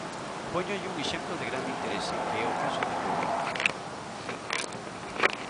Póñolle un exemplo de grande interese, que é o caso da Coruña.